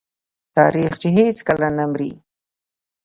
تاریخ چې هیڅکله نه مري.